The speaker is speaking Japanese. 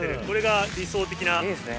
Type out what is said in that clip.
これが理想的な。